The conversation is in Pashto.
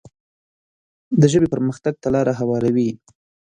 د ژبې پرمختګ ته لاره هواروي.